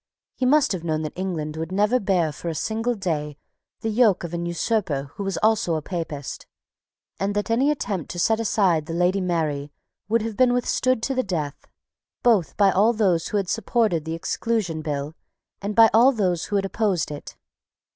He must have known that England would never bear for a single day the yoke of an usurper who was also a Papist, and that any attempt to set aside the Lady Mary would have been withstood to the death, both by all those who had supported the Exclusion Bill, and by all those who had opposed it.